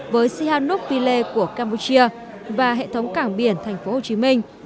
với sihanok pile của campuchia và hệ thống cảng biển thành phố hồ chí minh